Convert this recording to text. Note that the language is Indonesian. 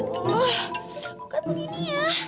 oh bukan begini ya